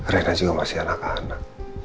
mereka juga masih anak anak